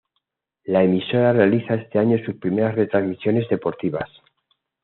La emisora realiza este año sus primeras retransmisiones deportivas.